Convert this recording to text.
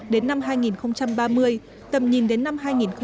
đến năm hai nghìn ba mươi tầm nhìn đến năm hai nghìn bốn mươi năm